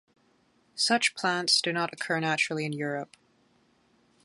Such plants do not occur naturally in Europe.